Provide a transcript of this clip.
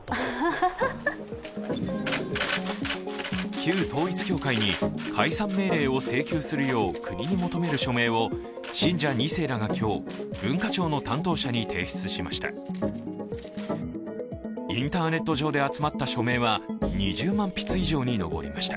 旧統一教会に解散命令を請求するよう国に求める署名を信者２世らが今日、文化庁の担当者に提出しました。